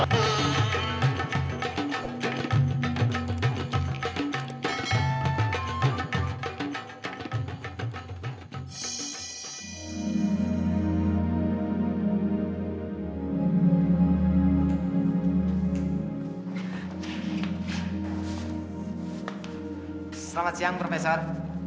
selamat siang profesor